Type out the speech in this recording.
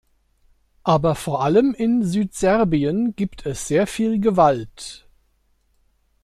Aber vor allem in Südserbien gibt es sehr viel Gewalt.